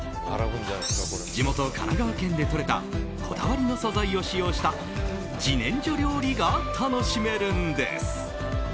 地元・神奈川県でとれたこだわりの素材を使用した自然薯料理が楽しめるんです。